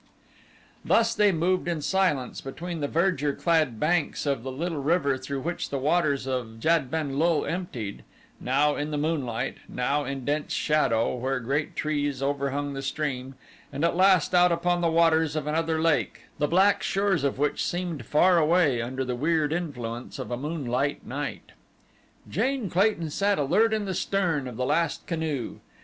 Thus they moved in silence between the verdure clad banks of the little river through which the waters of Jad ben lul emptied now in the moonlight, now in dense shadow where great trees overhung the stream, and at last out upon the waters of another lake, the black shores of which seemed far away under the weird influence of a moonlight night. Jane Clayton sat alert in the stern of the last canoe.